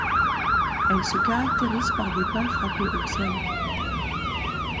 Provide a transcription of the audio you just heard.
Elle se caractérise par des pas frappés au sol.